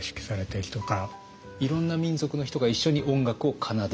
いろんな民族の人が一緒に音楽を奏でる？